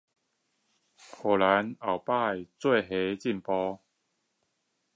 讓我們下次一起進步